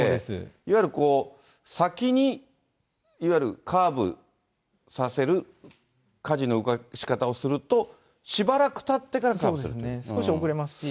いわゆる先に、いわゆるカーブさせるかじの動かし方をすると、しばらくたってかそうですね、少し遅れますし。